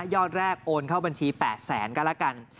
ยอดแรกโอนเข้าบัญชี๘๐๐๐๐๐กันแล้วกัน